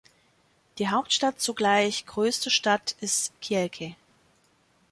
Die Hauptstadt zugleich größte Stadt ist Kielce.